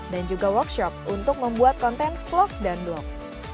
dan juga workshop untuk membuat konten vlog dan blog